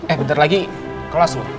eh bentar lagi kelas loh